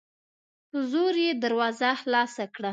په زور یې دروازه خلاصه کړه